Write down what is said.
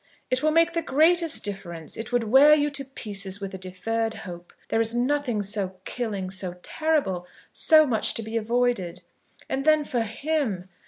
"It will make the greatest difference. It would wear you to pieces with a deferred hope. There is nothing so killing, so terrible, so much to be avoided. And then for him!